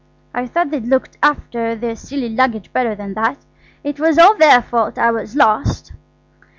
I thought they'd look after their silly luggage better than that. It was all their fault I was lost."